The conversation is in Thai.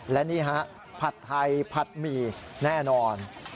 และนี่ฮะผัดไทยผัดหมี่แน่นอน